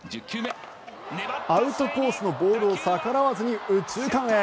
アウトコースのボールを逆らわずに右中間へ。